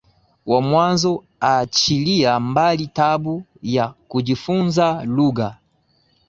wa mwanzo achilia mbali tabu ya kujifunza lugha